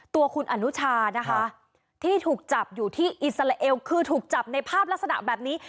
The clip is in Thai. ตัวคุณอนุชานะคะที่ถูกจับอยู่ที่อิสราเอลคือถูกจับในภาพลักษณะแบบนี้